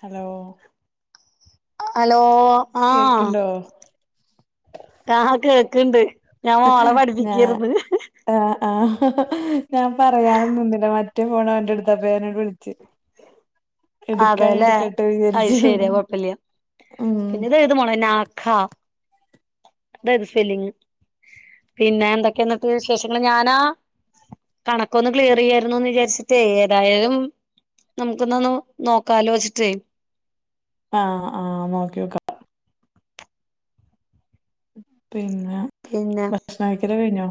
Hello hello ആഹ് കേക്ക്ണ്ടോ ആഹ് കേക്ക്ണ്ട് ഞാൻ മോളെ ഞാ പഠിപ്പിക്ക്യേർന്ന് ആഹ് ആഹ് ഞാൻ പറയാനുംനിന്നില്ല മറ്റേ ഫോണോന്റെട്ത്താപ്പെഞാന്ങ്ങട്ട് വുൾച്ച് അതേലേ വിചാരിച്ചു അയ്ശെരിയത്കൊഴ്പ്പല്ല്യ ഉം പിന്നിത് ത് മോളെ നാഖ തേത് സ്പെല്ലിങ്ങ് പിന്നെ എന്തൊക്കെന്ന്ട്ട് വിശേഷങ്ങള് ഞാനാ കണക്കൊന്ന് ക്ലിയറെയ്യായിര്ന്നൂന്ന്ചാരിച്ച്ട്ടേയ് ഏതായാലും നമുക്കൊന്ന്ന്നു നോക്കാലോച്ച്ട്ടേയ് ആഹ് ആഹ് നോക്ക്യോക്കാ പിന്നെ പിന്നെ ണയ്ക്കല് കഴിഞ്ഞോ?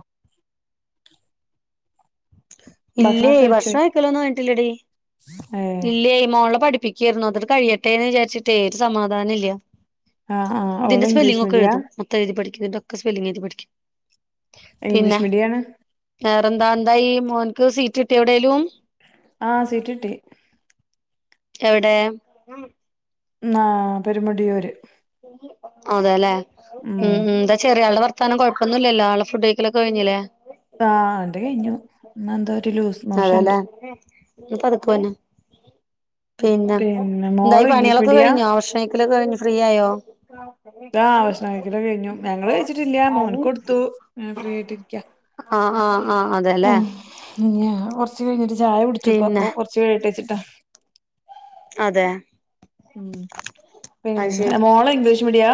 ഇല്ലേ ഭഷണയ്ക്കലൊന്നും കയ്ഞ്ഞ്ട്ട്ല്ലെടീ. അയേ ഇല്ല്യേ മോളെ പഠിപ്പിക്കേര്ന്നു അതട് കഴിയട്ടേന്ന് വിചാരിച്ചിട്ടേ ഒര് സമാധാനല്ല്യ. ആഹ് ആഹ് ഓള് ഇത്ൻ്റെ ഇംഗ്ലീഷ് മീഡിയാ സ്പെല്ലിങ്ങൊക്കെയുതും, മൊത്തെയ്തി പഠിക്കും ഇത്ൻ്റൊക്ക സ്പെല്ലിഗെയ്തി പഠിക്കും. പിന്നെ ഇംഗ്ലീഷ് മീഡ്യാണ്. വേറെന്താ ന്തായീ മോന്ക്ക് സീറ്റ്ട്ടിയ എവ്ടേലും? ആഹ് സീറ്റ്ട്ടി. എവ്ടേ? ന്നാ പെരുമടിയൂര്. അതെലേ ഉം ഉം ന്താ ചെറിയാള്ടെ വർത്താനം കൊഴ പ്പൊന്നുല്ലല്ലേ ആള് ഫുഡെയ്ക്കലൊക്കെ കഴിഞ്ഞ്ല്ലേ. ആ ഓന്റെ കയ്ഞ്ഞു, ന്ന്ന്താ ഒരു ലൂസ് മോഷൻണ്ട് അതേല്ലേ അപ്പ അതുക്കു എന്നെ. പിന്നെ, ന്തായി മോള് ഇംഗ്ലീഷ് പണ്യേളൊക്കെ മീഡിയാ കഴിഞ്ഞോ ഭഷണയ്ക്കലൊക്കഴിഞ്ഞ് ഫ്രീയായോ? ആഹ് ഭശഷണം കയ്ക്കലൊക്കെയ്ഞ്ഞു ഞങ്ങളെയ്ച്ചിട്ടില്ല മോന്ക്കൊട്ത്തു ങ്ങനെ ഫ്രീയാട്ടിരിക്കാ. ആഹ് ആഹ് അതേല്ലേ. ഞാ കൊറ്ച്ച് കയിഞ്ഞിട്ട് ചായ പിന്നെ കുടിച്ചൂപ്പപ്പൊ കൊറച്ച് കയ്യട്ടേച്ചിട്ടാ. അതെ. ഉം അത് പിന്ന, ശരി മോള് ഇംഗ്ലീഷ് മീഡ്യാ?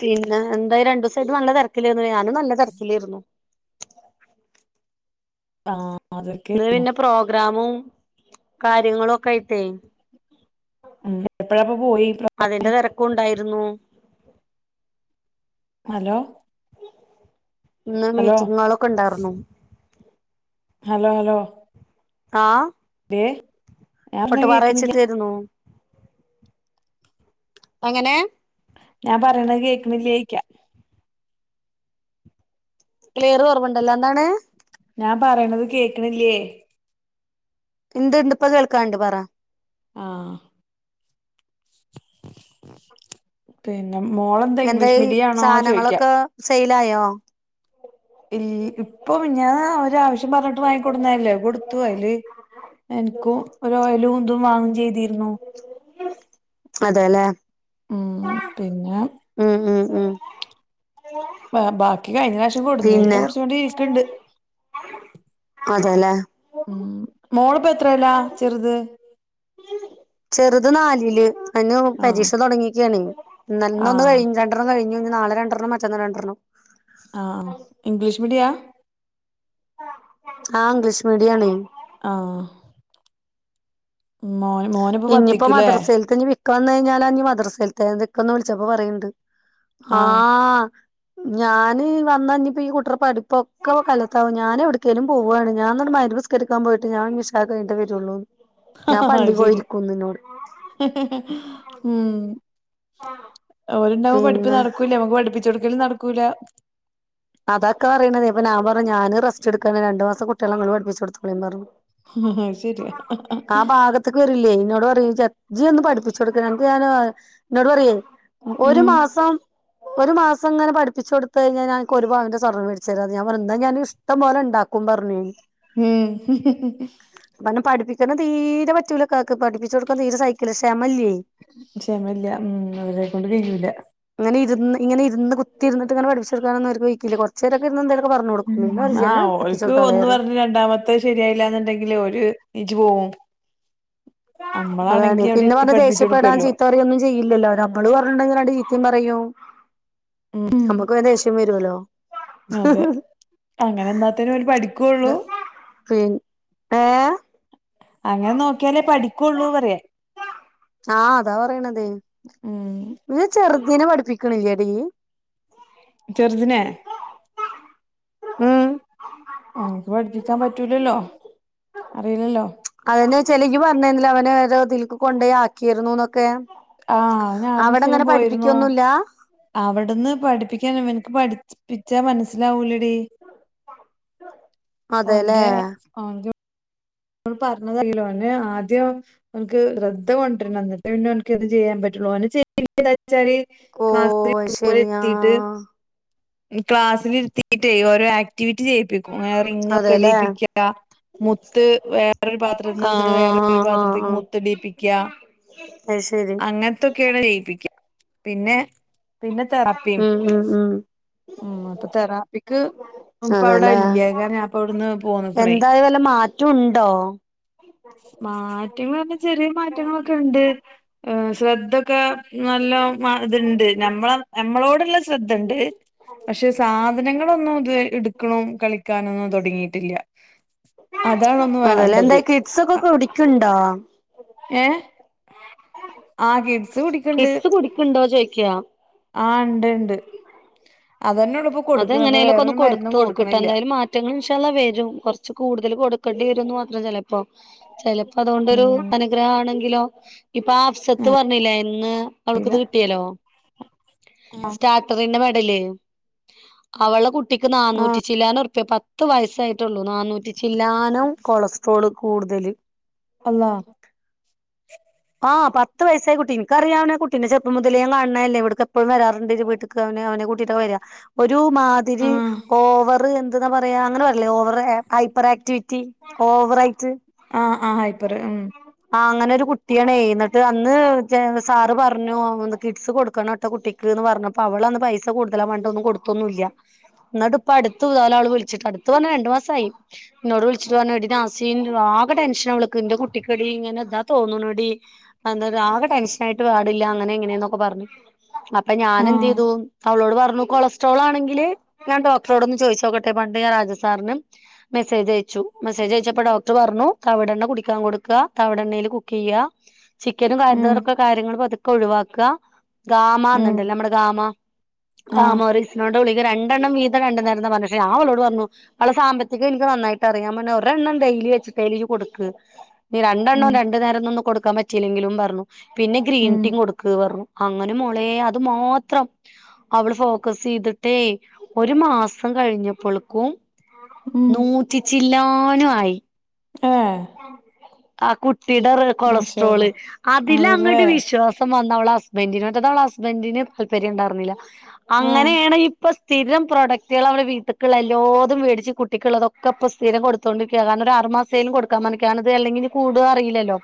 പിന്നെ എന്തായി രണ്ടുസായിട്ട് നല്ല തെരക്കിലേന്നു ഞാനും നല്ല തെരക്കിലേർന്നു. ആഹ്. ന്ന് അതൊക്കെയായിരുന്നു. പിന്നെ പ്രോഗ്രാമും കാര്യങ്ങളൊക്കായിത്തേ ഉം എപ്പോയാപ്പോ പോയി അത്ൻ്റെ തെരക്കൂണ്ടായിര്ന്നു. ഹലോ? ഇന്ന് ഹലോ മീറ്റിങ്ങേളൊക്കെണ്ടായ്ർന്നു. Hello hello? ആഹ്? ദേ ഞാൻ പട്ട് പറഞ്ഞത് പാറ കേക്കണില്ല. വെച്ചിട്ടേര്ന്നു. എങ്ങനേ? ഞാ പറയ്ണേ കേക്ക്ണില്ലേയ്ക്കാ. ക്ലിയറ് കൊറവ്ണ്ടല്ലോ എന്താണ്? ഞാൻ പറയ്ണത് കേക്ക്ണില്ല്യേ? ഇണ്ട് ഇണ്ട് ഇപ്പ കേൾക്കാണ്ട് പറാ. ആഹ്. പിന്ന മോളെന്താ ഇംഗ്ലീഷ് മീഡ്യാണോ ചോയിക്ക്യാ. സെയ്ലായോ? ഇ ഇപ്പൊ മിഞ്ഞാന്ന് ഒരാവശ്യം പറഞ്ഞ്ട്ട് വാങ്ങിക്കൊടുന്നല്ലേ അയ് കൊട്ത്തു അയില് എന്ക്കൂ ഒരോയലൂതും വാങ്ങും ചെയ്തീ അതെല്ലേ ഉം പിന്നേ ഉം ഉം ഉം. ബാക്കി കഴിഞ്ഞറാശ്യം കൊടുന്നേല്ത്തെ പിന്നെ കൊറച്ചൂടി ഈക്ക്ണ്ട്. അതെല്ലേ. ഉം മോള്പ്പോ എത്രേല്ലാ ചെറുത്? ചെറ്ത് നാലില് അയിന് ആഹ് പരീക്ഷ തൊടങ്ങിക്ക്യാണേ ഇന്നല് ഇന്നൊന്ന് ആഹ് കയ്ഞ്ഞ് [inaudible] കഴിഞ്ഞൂഞ്ളി നാളെ രണ്ടെര്ണ്ണം മറ്റന്നാ രണ്ടെര്ണ്ണം. ആ ആഹ് ഇംഗ്ലീഷ് മീഡ്യാ? ആഹ് ഇംഗ്ലീഷ് മീഡ്യാണേ ആഹ് മ്മാ മോന്പ്പ പത്തീക്ക്ല്ലേ. ഇക്ക് വന്നൈഞ്ഞാലാഞ്ഞി മദ്രസെൽത്തെ അത്ക്കന്ന് വിള്ച്ചപ്പോ പറയ്ണ്ട് ഹാ ആഹ് ഞാന് വന്നാഞ്ഞിപ്പീ കുട്ട്റെ പഠിപ്പൊക്കെ കല്ലത്താവും ഞാനെവ്ട്ക്കേലും പോവാണ് ഞാൻന്ന്ട്ട് മൈരിബ്സ് കരിക്കാൻ പോയിട്ട് ഞാഞ്ഞി ഇശാഒക്കെ കയ്ഞ്ട്ടെ വെരൊള്ളൂ അയ്ശരി ഉം ഓല്ണ്ടാവ്മ്പൊ പഠിപ്പും പിന്നെ നട്ക്കൂല്ല്യ നമ്മക്ക് പഠ്പ്പിച്ചൊട്ക്കലും നടക്കൂലാ അതാക്ക പറിണതെയ് അപ്പൊ ഞാൻപർഞ്ഞു ഞാന് റെസ്റ്റ്ട്ക്കാണ് രണ്ട് മാസം കുട്ട്യാളെ ങ്ങള് പഠ്പ്പിച്ചൊട്ത്തോളിം പറ്ഞ്ഞു അശെരിയാ ഉച്ചക്ക് വരുല്ലേയ് ഇന്നോട് പറിം ജെ ഇജ് എന്നും പഠ്പ്പിച്ചൊട്ക്ക് അൻക്ക് ഞാന് ഇന്നോട് പറ്യെയ് ഒരു ഉം മാസം ഒരു മാസങ്ങനെ പഠ്പ്പിച്ചൊട്ത്തെയ്ഞ്ഞാ ഞാഅൻ കൊര്, പവന്റെ സ്വർണമ്മേട്ച്ചെരാന്ന്. ഞാൻ, പർഞ്ഞ്ന്നാ ഞാൻ, ഇഷ്ടമ്പോലെണ്ടാക്കും പറ്ഞ്ഞുയ്. ഉം [unintelligible] പഠ്പ്പിക്കൽ തീരെ പറ്റൂലക്കാക്ക്. പഠിപ്പിച്ചൊട്ക്കാൻ തീരെ സൈക്കില്ല. ഷമല്ലെയ്. ക്ഷമല്ല, ഉം, അവരെക്കൊണ്ട് കയ്യൂല. ങ്ങനിര്ന്ന്, ഇങ്ങനിര്ന്ന്, കുത്തിര്ന്ന്ട്ട്ങ്ങനെ പഠ്പ്പിച്ചൊട്ക്കാനൊന്നും അവര്ക്ക് വെയ്ക്കില്ല. കൊറ് ചേരൊക്കിര്ന്ന് എന്തേലൊക്കെ പറഞ്ഞൊട്ക്കും. പിന്നറിം, ഇജെന്നേ പഠ്പ്പിച്ചൊട്താളേ, റിം. രണ്ടാമ ത്തെ ശെരിയായീലാന്ന്ണ്ടെങ്കില് ഓര് നീച്ച് പോവും. നമ്മളാണെങ്കി അതാണെയ്. അവിടെ പിന്ന, ഇരുത്തി പർഞ്ഞ് പഠിപ്പിച്ചു ദേഷ്യപ്പെടാൻ കൊടുക്കുവല്ലോ ചീത്തറ്യൊന്നും. ചെയ്യില്ലല്ലോ, നമ്മള് പറഞ്ഞീണ്ടെങ്കിൽ രണ്ട് ചീത്തിം പറയും. ഉം നമ്മക്ക് വേംദേ ഷ്യം വെരോലോ? അതെ അങ്ങനെ നിന്നാത്തന്നെ ഓല് പഠിക്കുള്ളൂ ദ, പിൻ... ഏഹ്. അങ്ങനെ, നോക്ക്യാലേ പഠിക്കൊള്ളൂ പറ്യ. ആഹ് അതാ പറയ്ണതെയ്. ഉം യ്യ്, ചെറ്തിനെ പഠ്പ്പിക്ക്ണി ല്ല്യെടീ. ചെർദ്നെ. ഉം ഓൻക്ക് പഠ്പ്പിക്കാൻ പറ്റൂലല്ലോ? അറീലല്ലോ? അതെന്നോയ്ച്ച്, അല്ല, ഇയ്യ് പറ്ഞ്ഞീന്ന്ല്ലെ. അവനേതോതിൽക്ക് കൊണ്ടേ ആക്കീര്ന്നുന്നൊക്കെ. ആഹ്, ഞാനും സ്ഥിരം പോയിര്ന്നു. അവിടന്ന് പഠിപ്പിക്കാനി വൻക്ക് പഠ്ച്പ്പിച്ചാ, മൻസ്സ്ലാവൂല ടീ. അതെല്ലേ ഓന്റെ, ഓ... പർഞ്ഞതല്ലല്ലോ? ഓന് ആദ്യം. ഓൻക്ക് റദ് കൊണ്ട്രണം. ന്ന്ട്ടേ പിന്നോൻക്കെന്തും ചെയ്യാൻ പറ്റൊള്ളൂ. ഓന് ചെ പിന്നെ, ന്താച്ചാല്. ഓ ക്ലാസ്ൽ അത് ശരിയാ ഓലെര്ത്തീട്ട്. ക്ലാസ്സ്ലിര്ത്തീറ്റെയ്, ഓരോ ആക്ടിവിറ്റി ചെയ്യിപ്പിക്കും. ങ്ങനെ റിംഗൊക്കെ അതെല്ലേ ടീപ്പിയ്ക്കാ. മുത്ത്, വേറൊര് പാത്രത്ത്ന്ന്ട്ത്ത്ട്ട്. വേറൊര് ആഹ് പാത്രത്ക്ക് മുത്തിടീപ്പിക്ക്യ. അഹ്, ശെരി. ഇതൊക്കേണ് ചെയ്യിപ്പിക്ക്യ. പിന്നെ, പിന്നെ, തെറാപ്പിം. ഉം, ഉം ഉം, അപ്പ, തെറാപ്പിക്ക്. ഓം, അതല്ലേ പ്പവ്ടെല്ല്യേക്കാരം. ഞാ പ്പവുട്ന്ന് പോന്ന്ക്ക്ണേയ്. എന്തായി വല്ല മാറ്റം ഉണ്ടോ മാറ്റങ്ങളർഞ്ഞാ ചെറ്യെ മാറ്റങ്ങളൊക്കെ ഉണ്ട്. ശ്രദ്ധൊക്കെ, നല്ലോം, മാ ത്ണ്ട്. നമ്മളെ നമ്മളോട്ള്ള ശ്രദ്ധണ്ട്. ആധനങ്ങളൊന്നും ഇത് വെ ഇട്ക്ക്ണും, കളിക്കാനൊന്നും തൊട് ങ്ങീട്ട്ല്ല്യ. അതാണൊന്ന് വേണ്ടത്. സൊക്കെ കുടിക്ക്ണ്ടോ? ഏഹ്, ആഹ്, കിഡ്സ് കുടിക്ക്ണ്ട്. കിഡ്സ് കുടിക്ക്ണ്ടോ ചോയിക്കാ ആഹ്, ണ്ട്, ണ്ട്, അതെന്നൊള്ളുപ്പൊ കൊട്ക്ക്ണ്. പ്പൊ വേറൊരു മര്ന്നും കൊട്ക്ക്ണില്യ. റ്റങ്ങളി ൻശാഅള്ളാഹ് വെരും. കൊറ്ച്ച് കൂട്തൽ കൊട്ക്കെണ്ടി വരുംന്ന് മാത്രം ചെലേപ്പൊ? ചെലപ്പതോണ്ടൊരു അനുഗ്രഹാണെങ്കിലോ? ഇപ്പാ, ആഹ് സത്ത് പറ്ഞ്ഞീലെ, ഇന്ന് അവൾക്കിത് കിട്ട്യേലോ? സ്റ്റാ ട്രെഡ്ന്റെ, മെഡല്. അവെളെ കുട്ടിക്ക് ആ നാന്നൂറ്റി ചില്ലാനം റുപ്പ്യേ പ ത്ത് വയസ്സായിട്ടൊള്ളൂ. നാന്നൂറ്റി ചില്ലാനം കൊളസ്ട്രോള് കൂടുതല്. അള്ളാ.... ആഹ്, പത്ത് വയസ്സായ കുട്ടി. ഇൻ ക്കറിയാവന. കുട്ടീനേ ചെർപ്പം മുതലേ ഞാൻ കാണണയല്ലേ? ഇവിടെക്ക് എപ്പഴും വരാറുണ്ട്. ന്റെ വീട്ടിക്ക്. ക്കവന്. അവനെ കൂട്ടിട്ടാ വര. ഒരു ആ മാതിരി ഓവറ് എന്ന്. ത്‍ന്ന, പറയാ. അങ്ങനെ പറയില്ലേ. Over hyper activity. ഓവറായിറ്റ്. ആഹ്, ആഹ്, ഹൈപ്പറ്, ഉം. ആഹ്, അങ്ങനൊരു കുട്ടിയാണേയ് ന്നിട്ട് അന്ന് ചെ സാറ് പർഞ്ഞു, ഒന്ന് കിഡ്സ് കൊടുക്കണേട്ടോ കുട്ടി. ക്ക് ന്ന് പറഞ്ഞപ്പോ, അവളന്ന് പൈസ കൂടുതലാന്ന് പഞ്ട്ട്, ഒന്നും കൊടുത്തൊന്നു ല്ല്യാ. ന്നി ട്ടിപ്പ അടുത് കാല. അവള് വിളിച്ചിട്ട്. അടുത്ത് പറഞ്ഞാ.. രണ്ട് മാസായി. എന്നോട് വിളിച്ചിട്ട് പറഞ്ഞു. എടി നാസി, ന്റെ ആകെ ടെൻഷനാവളക്ക് എന്റെ കു ട്ടിക്കടി ഇങ്ങനെ. ഇതാ തോന്നുന്നടി. അയെന്താ ആകെ ടെൻഷനായിട്ട് പാടില്ല. അങ്ങനായിങ്ങനെന്നൊക്കെ പറഞ്ഞു. അപ്പ ഞാൻ ആ എന്ത് ചെയ്തു. അവളോട് പറഞ്ഞു കൊളസ് ട്രോളാണെങ്കില് ഞാൻ ഡോക്ട്രോടൊന്ന് ചോദിച്ച് നോക്കെട്ടെ, പണ്ട് ഞാൻ രാജസാറിനും. മെസ്സേജ് അയച്ചു. മെസ്സേജ് അയച്ചപ്പോ ഡോക്ർ പറഞ്ഞു തവിടെണ്ണ കുടിക്കാൻ കൊട് ക്ക. തവെടെണ്ണയിൽ കുക്ക് ചെയ്യുക. ചിക്കനും ഉം കാര്യന്നോർക്കെ കാര്യങ്ങള് പതുക്കെ ഒഴിവാക്ക്ക. ഗാമ ഉം എന്നുണ്ടല്ലേ. നമ്മെടെ ഗാമ ആ ഗാമോറീസ് എന്നോട്ട് ഗുളിക രണ്ടെണ്ണം വീതം രണ്ടുനേരന്നാ പറഞ്ഞിട്ട് ഞാ അവളോട് പറഞ്ഞു അവെളെ സാമ്പത്തികം എനിക്ക് നന്നായിട്ട് അറിയാം. ഞാ പറഞ്ഞ് ഒരെണ്ണം ഡെയ്ലി വെച്ചിട്ടേലുയും നീ കൊടുക്ക്ന്ന് നീ രണ്ടെണ്ണം ഉം രണ്ട് നേരൊന്നൊന്ന് കൊടുക്കാൻ പറ്റിയില്ലെങ്കിലുന്ന് പറഞ്ഞു. പിന്നെ ഗ്രീൻ ഉം ടീ കൊടു ക്കിവറു. അങ്ങനെ മോളേ അത് മാത്രം അവെള് ഫോക്കസ് ചെയ്തിട്ടേ. ഒരു മാസം കഴിഞ്ഞപ്പോളേക്കും ഉം നൂറ്റിച്ചില്ലാനു ആയി. ഏ ആ കുട്ടിടെ കൊളസ്ട്രോള്. മാഷാഅല്ലാഹ് അതല്ലേ അതിലങ്ങോട്ട് വിശ്വാസം വന്നവളെ ഹസ്ബൻഡറ്റിന്. മറ്റേത് അവളെ ഹസ്ബന്ഡിനല്പര്യം ഉണ്ടായിരുന്നില്ല. ആഹ് അങ്ങനെയാണ് ഇപ്പൊ സ്ഥിരം പ്രോഡക്റ്റുകള് അവടെ വീട്ടേക്കുള്ള എല്ലാതും മേടിച്ച് കുട്ടിക്കുള്ളതൊക്കെയിപ്പോ സ്ഥിരം കൊടുത്തുകൊണ്ടിരിക്കുക. കാരണം ഒരു ആറ് മാസം. തേലും കൊടുക്കാൻ പറഞ്ഞു. കാരണം, അല്ലെങ്കില് കൂടുവോ അറിയില്ലല്ലോ.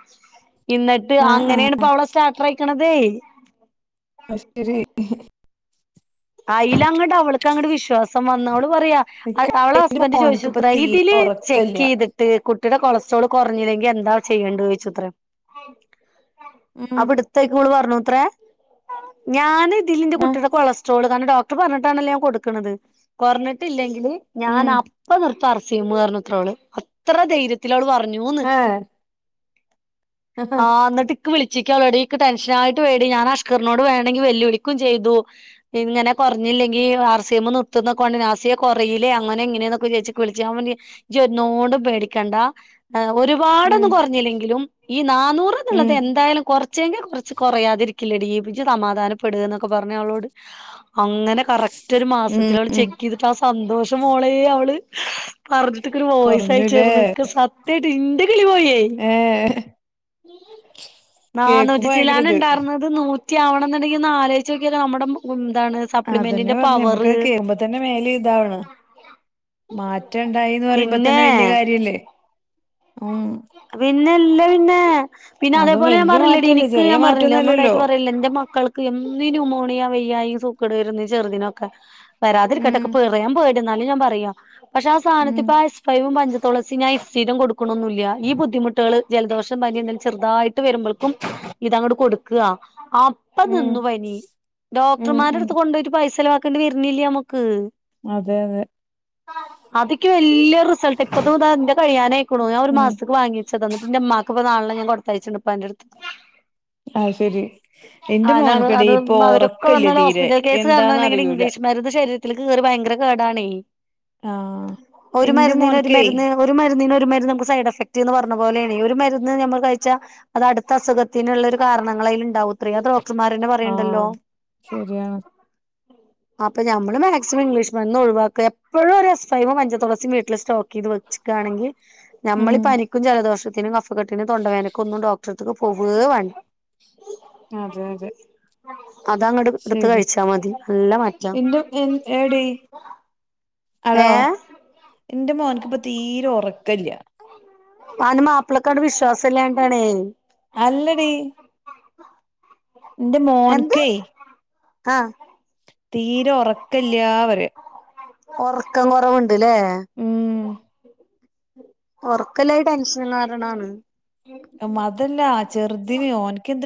എന്നിട്ട് ആഹ് ആഹ് അങ്ങനെയാണിപ്പ അവളെ സ്റ്റാർട്ട് റൈറ്റ ക്കണതേ അ ശെരി അയിലങ്ങോട്ട് അവൾക്ക് അങ്ങ്ട്ട് വിശ്വാസം വന്നു. അവെള് പറയാ. അ ഇക്ക് അവളെ ഇന്റെ ഹസ്ബൻഡറ് ചോദിച്ചു. മോൻക്ക്പ്പ തീരെ പ്രൈതില് ചെക്ക് ഒറക്കല്ല ചെയ്തി ട്ട് കുട്ടിടെ കൊളസ്ട്രോള് കുറഞ്ഞില്ലെങ്കിൽ എന്താ ചെയ്യേണ്ടു ചോദിച്ചത്രേ. ഉം അവിടുത്തേക്ക് ഇവെള് പറഞ്ഞുത്ര ഞാന് ഇല്ലിന്റെ ആഹ് കുട്ടിടെ കൊളസ്ട്രോള്. കാരണം ഡോക്ടർ പറഞ്ഞിട്ടാണ്ണല്ലേ ഞാൻ കൊടുക്കണത്. കൊറഞ്ഞിട്ടില്ലെങ്കില്. ഉം ഞാനപ്പ നിർത്തായർസിമെർന്നുയുത്തരമവെള്. അത്ര ധൈര്യത്തിലവെള് പറഞ്ഞൂന്ന്. ഏഹ് ആഹ് എന്നിട്ടി പ്പ വിളിച്ചേക്കുകവളോട്. എന്ക് ടെൻഷൻായിട്ട് വയ്യെടി. ഞാൻ അഷ്കറിനോട് വേണ്ടെങ്കി വെല്ലുവിളിക്കും ചെയ്തു. ഇങ്ങനെ കൊറെഞ്ഞില്ലെങ്കി. ആർ സി എം നിർത്തുന്നെക്കൊണ്ട്. നാസി യേ കൊറെയില്ലേ. അങ്ങനെനിങ്ങനെന്നൊക്കെ ചോയ്ച്ചു. വിളിച്ച്. ഞാ പറഞ്ഞു, ജി ഒന്നോ ണ്ടും പേടിക്കേണ്ട. ആഹ് ഉം ഒരുപാടൊന്നും കൊറെഞ്ഞില്ലെങ്കിലും ഈ നാന്നൂറെന്നുള്ളത് ഉം എന്തായാലും കൊറെ ച്ചെക്കി കൊറെച്ച് കൊറയാതിരിക്കില്ലടി. പിജു സമാധാനപ്പെടുന്നൊക്കെ പറഞ്ഞു അവളോട്. അങ്ങനെ കറക്റ്റ് ഒരു ഉം മാസത്തിലവെള് ഉം ചെക്ക് ചെയ്ത് ആ സന്തോഷം മോളേ അവെള്. പറഞ്ഞിട്ടൊക്കൊരു വോയ്സ് കൊറഞ്ഞുലേ അയച്ചാരുന്നു. ഇക്ക് സത്യായ്ട്ട് ഇന്റെ കിളി പോയേ. ഏഹ് കേക്കുമ്പോ നാനൂറ്റിച്ചിലാനം ഭയങ്കരത് ഉണ്ടാർന്നു. ഇത് നൂറ്റിയാവണയെന്നുണ്ടെങ്കി ഒന്നാലോചിച്ച് നോക്കി നോക്ക് നമ്മെടെ എന്താണ് അതന്നെ സപ്ലിമെന്റിന്റെ പറഞ്ഞെ നമ്മക്ക് പവെറ്. കേക്കുമ്പോ തന്നെ മേലേയിതാണ്. മാ റ്റൊണ്ടായിന്ന് പിന്നെ പറയുമ്പോത്തന്നെ വെല്യാ കാര്യല്ലേ. ഉം പിന്നെല്ലേപ്പിന്നെ. പിന്നെ അതും അതെപോലെ ഞാൻ വല്യ പറഞ്ഞില്ലെടി മാറ്റല്ലേ ഇനിക്ക് ചെറിയ ഞാൻ പറഞ്ഞില്ലേ ഒന്നും മാറ്റൊന്നല്ലല്ലോ ഉണ്ടായിട്ട് പറയില്ല എന്റെ മക്കൾക്ക് ക്ക് എന്നും ന്യുമോണിയ വെയ്യായി സൂക്കട് വരുന്റെ ചെറുദിനൊക്കെ ഉം വരാതിരിക്കട്ടൊക്കെ പറയാൻ പേടി എന്നാലും ഞാൻ പറയാ പക്ഷെ ആ ഉം സാധനത്തി ഇപ്പ എസ് ഫൈവും പഞ്ചതുളസി ഞാൻ സസ്ഥിരം കൊടുക്കണൊന്നുല്ല ഈ ബുദ്ധിമുട്ടാൾ ജലദോഷം പനി ന്തേലും ചെറതായിട്ട് വരുമ്പോൾക്കും ഇതങ്ങോട്ട് കൊടുക്കും. വാ അപ്പൊ ഉം നിന്നു പനി ഉം ഉം ഡോക്ടർമാരെടുത്ത് കൊണ്ടോയിട്ട് പൈസ ചെ ലവാക്ക് ണ്ട് വരുന്നില്ല നമക്ക്. അതെ തെ അത്ക്ക് വല്ല്യ റിസൾട്ട് ഇപ്പത് താ ന്റെ കയ്യനായിക്ക്ണ് ഞാൻ ഒരു ഉം മാസ വാങ്ങിച്ചതാ ന്നട്ട ന്റെ മ്മാക്ക്പ്പോ നാലെണ്ണം ഞൻ കൊടുത്തയച്ചു ഇപ്പാന്റെ ടുത്ത് അത് ശരി എന്റെ ആനത് മോൻക്കടി അത് ഇപ്പൊ അവരൊക്കെ ഉറക്കല്ല വന്നല് തീരെ ഹോസ്പിറ്റൽ കേസ് കാണണ്ടെങ്കിൽ എന്താന്നറിയൂല ഇംഗ്ലീഷ് മരുന്ന് ശരീര ത്തിലേക്ക് കയറിയ ഭയങ്കര കേടാണേ ആഹ് ഒരു എന്റെ മരുന്നിനു ഒരു മോൻക്കേ മരുന്ന് ഒരു മരുന്നിനൊരു മരുന്ന് മ്മക്ക് സൈഡ് എഫക്ട് ന്ന് പറഞ്ഞ പോലേണ് ഒരു മരുന്ന് നമ്മൾ കഴിച്ചാൽ അത് അടുത്ത അസുഖത്തിനുള്ള ഒരു കാരണങ്ങളയിൽ ഉണ്ടാവും എത്രയോ ഡോക്ടർമാരന്നെ പറയിണ്ടല്ലോ ആഹ് ശരിയാണ് [inaudible] അപ്പൊ മ്മള് മാക്സിമം ഇംഗ്ലീഷ് മരുന്ന് ഒഴിവാക്കുക എപ്പോഴും ഒരു എസ്ഫൈവും മഞ്ചതുളസിം വീട്ടിൽ സ്റ്റോക്ക് യ്ത് വെച്ചു ക്കാണെങ്കിൽ നമ്മൾ ഉം പനിക്കും ജലദോഷത്തിനും കഫക്കെട്ടിനും തൊണ്ടവേനക്കൊന്നും ഡോക്ടർത്ക്ക് പോവേ വാണ്ട അതെ അതെ അതങ്ങട്ട് ഇടുത്ത് ശരി കഴിച്ചാ മതി നല്ല മാറ്റാ എന്റെ എടി ഏ അലോ ഇന്റെ മോൻക്കിപ്പോ തീരെ ഉറക്കില്ല ഓന്റെ മപ്പളക്കട്ട് വിശ്വാസല്ലാട്ടാണ് അല്ലടി എന്റെ എന്ത് മോൻക്കേ ആഹ് തീരെ ഉറക്കല്ല പറയാ ഒറക്കം കൊറവ്‌ണ്ട്ല്ലേ ഉം ഒറക്കല്ലായി ടെൻഷൻ കാരണാണ് തല്ലാ ചെറുതിന് ഓൻക്കെന്ത്